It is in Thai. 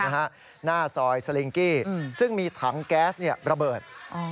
หน้าซอยสลิงกี้ซึ่งมีถังแก๊สระเบิด